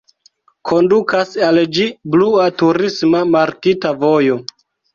Kondukas al ĝi blua turisma markita vojo.